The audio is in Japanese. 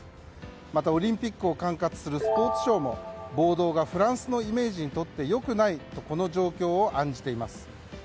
また、オリンピックを管轄するスポーツ相も暴動がフランスのイメージにとって良くないとこの状況を案じています。